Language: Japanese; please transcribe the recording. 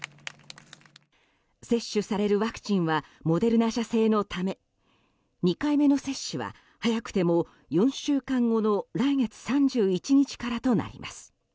接種されるワクチンはモデルナ社製のため２回目の接種は早くても４週間後の来月３１日からとなります。